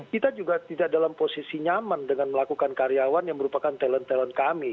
kita juga tidak dalam posisi nyaman dengan melakukan karyawan yang merupakan talent talent kami